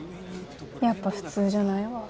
やっぱ普通じゃないわ。